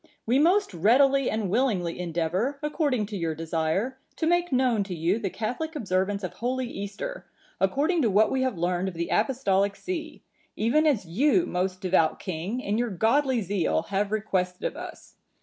_ We most readily and willingly endeavour, according to your desire, to make known to you the catholic observance of holy Easter, according to what we have learned of the Apostolic see, even as you, most devout king, in your godly zeal, have requested of us.